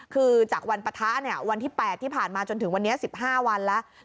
คือจากวันปะทะวันที่๘ที่ผ่านมาจนถึงวันนี้๑๕วันแล้ว